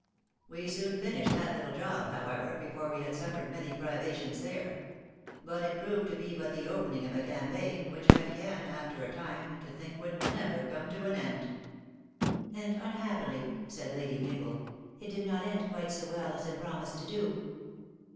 u We soon finished that little job, however, before we had suffered many privations there. But it proved to be but the opening of a campaign, which I began, after a time, to think would never come to an end." "And, unhappily," said Lady Mabel, u it did not end quite so well as it promised to do."